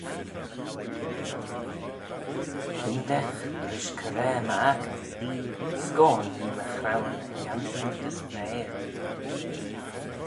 Kyndagh rish coraa my accan: scoan nee my chraueyn lhiantyn gys m'eill.